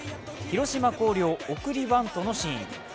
広島・広陵、送りバントのシーン。